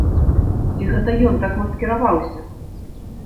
Ці гэта ён так маскіраваўся!?